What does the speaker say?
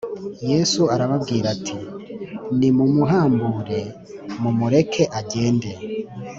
Yesu arababwira ati nimumuhambure mumureke agende